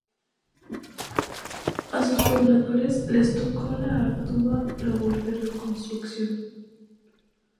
A sus pobladores les tocó la ardua labor de reconstrucción.